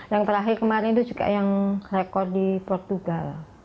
yang terakhir kemarin itu juga yang rekor di portugal